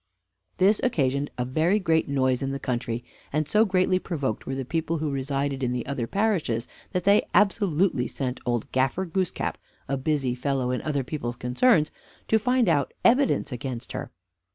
This occasioned a very great noise in the country, and so greatly provoked were the people who resided in the other parishes, that they absolutely sent old Gaffer Goosecap (a busy fellow in other people's concerns) to find out evidence against her.